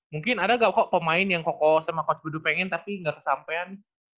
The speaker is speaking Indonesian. mungkin ada gak kok pemain yang koko sama coach beduh pengen tapi gak kesampean